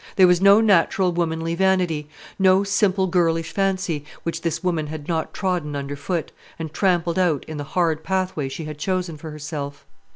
There was no natural womanly vanity, no simple girlish fancy, which this woman had not trodden under foot, and trampled out in the hard pathway she had chosen for herself.